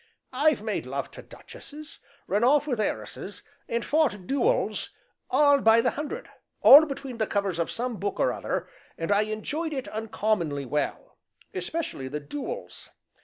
"I've made love to duchesses, run off with heiresses, and fought dooels ah! by the hundred all between the covers of some book or other and enjoyed it uncommonly well especially the dooels.